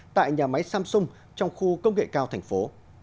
tại nhà máy samsung trong khu công nghệ cao thành phố